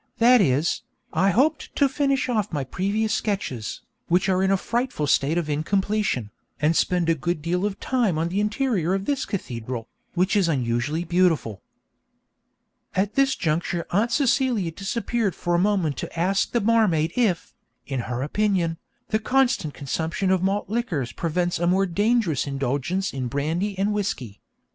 'That is, I hoped to finish off my previous sketches, which are in a frightful state of incompletion, and spend a good deal of time on the interior of this cathedral, which is unusually beautiful.' At this juncture Aunt Celia disappeared for a moment to ask the barmaid if, in her opinion, the constant consumption of malt liquors prevents a more dangerous indulgence in brandy and whisky.